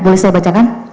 boleh saya bacakan